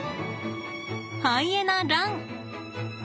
ハイエナラン！